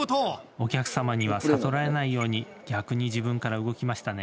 お客様には悟られないように逆に、自分から動きましたね。